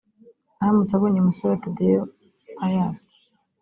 aramutse abonye uyu musore Tadei Pius